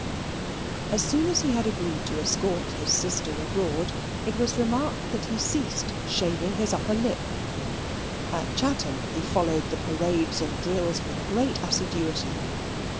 As soon as he had agreed to escort his sister abroad, it was remarked that he ceased shaving his upper lip. At Chatham he followed the parades and drills with great assiduity.